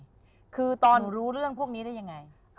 คือตอนรู้เรื่องพวกนี้ได้ยังไง